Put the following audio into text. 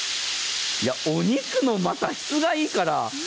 お肉のまた質がいいから。